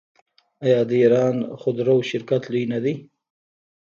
آیا د ایران خودرو شرکت لوی نه دی؟